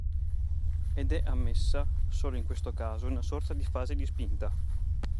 Ed è ammessa solo in questo caso una sorta di fase di spinta